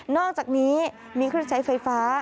อกจากนี้มีเครื่องใช้ไฟฟ้า